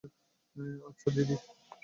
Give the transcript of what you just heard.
আচ্ছা, দিদি।